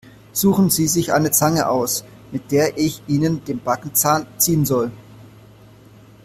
Suchen Sie sich eine Zange aus, mit der ich Ihnen den Backenzahn ziehen soll!